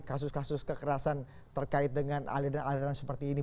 kasus kasus kekerasan terkait dengan aliran aliran seperti ini